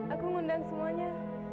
aku ngundang semuanya